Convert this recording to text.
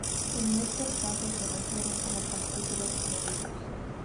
En estos casos se refieren como "partículas como virus".